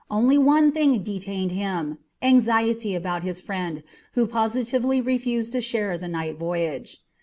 Only one thing detained him anxiety about his friend, who positively refused to share the night voyage.